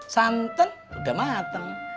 santan udah mateng